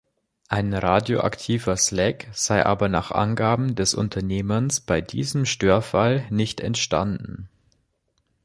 Ein radioaktives Leck sei aber nach Angaben des Unternehmens bei diesem Störfall nicht entstanden.